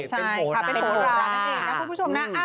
ใช่เป็นโผล่ร้า